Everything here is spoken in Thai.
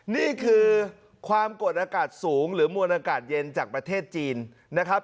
นี่คือความกดอากาศสูงหรือมวลอากาศเย็นจากประเทศจีนนะครับ